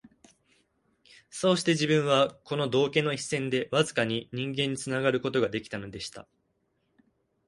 そうして自分は、この道化の一線でわずかに人間につながる事が出来たのでした